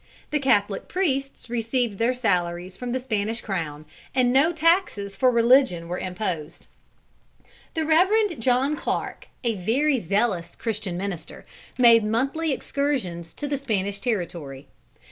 The Catholic priests received their salaries from the Spanish crown, and no taxes for religion were imposed. The Reverend John Clark, a very zealous Christian minister, made monthly excursions to the Spanish territory.